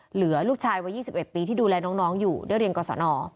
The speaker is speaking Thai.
เหลือลูกชายวัย๒๑ปีที่ดูแลน้องอยู่ด้วยเรียนกศน